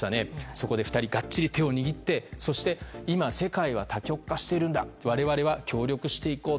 そこで２人はがっちり手を握って今、世界は多極化しているんだ我々は協力していこう。